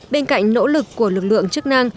bên cạnh nỗ lực của lực lượng chức năng